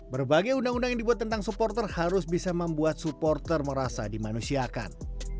berbagai undang undang yang dibuat tentang supporter harus bisa membuat supporter merasa dimanusiakan